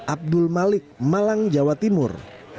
abdul malik malang jawa timur